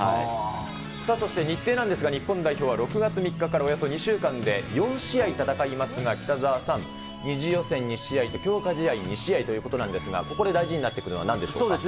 さあそして日程なんですが、日本代表は６月３日からおよそ２週間で４試合戦いますが、北澤さん、２次予選２試合と強化試合２試合ということなんですが、ここで大事になってくるのはなんでしょうか。